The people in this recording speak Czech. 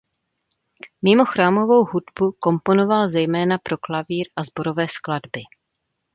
Mimo chrámovou hudbu komponoval zejména pro klavír a sborové skladby.